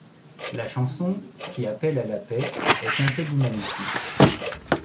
La chanson, qui appelle à la paix est teintée d'humanisme.